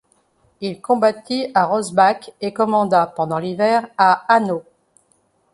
Il combattit à Rosback, et commanda, pendant l'hiver, à Hanau.